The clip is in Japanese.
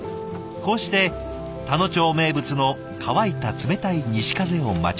こうして田野町名物の乾いた冷たい西風を待ちます。